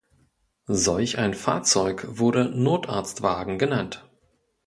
Solch ein Fahrzeug wurde Notarztwagen genannt.